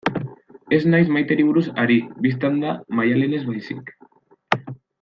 Ez naiz Maiteri buruz ari, bistan da, Maialenez baizik.